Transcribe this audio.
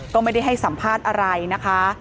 ก็ไม่ได้ให้สัมภาษณ์อะไรนะคะ